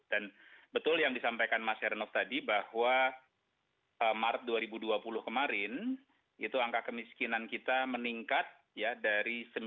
dan betul yang disampaikan mas heranov tadi bahwa maret dua ribu dua puluh kemarin itu angka kemiskinan kita meningkat dari sembilan dua puluh dua